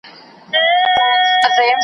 په ښایستو بڼو کي پټ رنګین وو ښکلی .